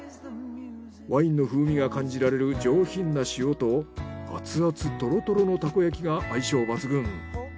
ワインの風味が感じられる上品な塩とアツアツトロトロのたこ焼きが相性抜群。